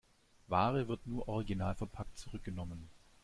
Ware wird nur originalverpackt zurückgenommen.